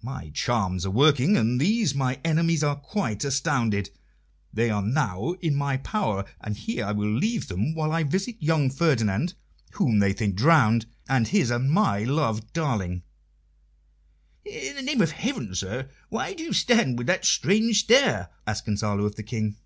"My charms are working, and these my enemies are quite astounded. They are now in my power, and here I will leave them while I visit young Ferdinand whom they think drowned and his and my loved darling." "In the name of heaven, sir, why do you stand with that strange stare?" asked Gonzalo of the King.